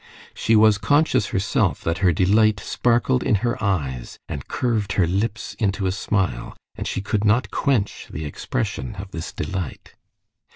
She was conscious herself that her delight sparkled in her eyes and curved her lips into a smile, and she could not quench the expression of this delight.